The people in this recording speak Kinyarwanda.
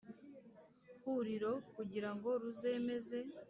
huriro kugira ngo ruzemeze